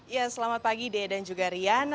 ya selamat pagi dea dan juga rian